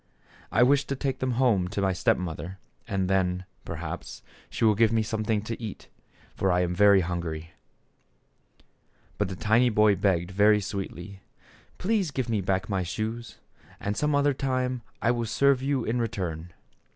I wish to take them home to my step mother, and then, perhaps, she will give me something to eat, for I am very hungry." But the tiny boy begged very sweetly :" Please give me back my shoes, and some other time I will serve you in return."